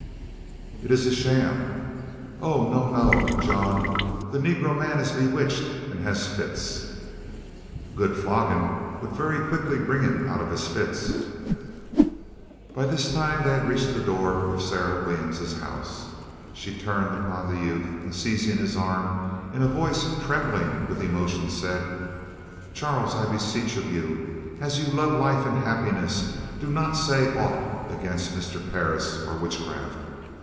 "It is a sham." "Oh, no, no! John, the negro man, is bewitched, and has fits." "A good flogging would very quickly bring him out of his fits." By this time they had reached the door of Sarah Williams' house. She turned upon the youth and, seizing his arm, in a voice trembling with emotion, said: "Charles, I beseech of you, as you love life and happiness, do not say aught against Mr. Parris or witchcraft.